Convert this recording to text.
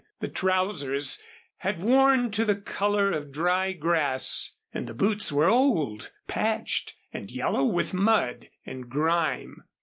The trousers had worn to the color of dry grass and the boots were old, patched, and yellow with mud and grime.